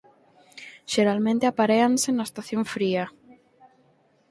Xeralmente aparéanse na estación fría.